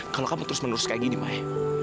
kalau kamu terus menerus kayak gini maya